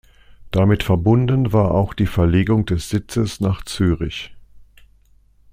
Damit verbunden war auch die Verlegung des Sitzes nach Zürich.